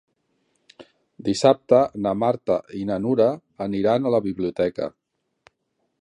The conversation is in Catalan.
Dissabte na Marta i na Nura aniran a la biblioteca.